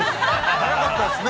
◆早かったですね。